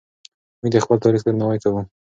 موږ د خپل تاریخ درناوی کوو.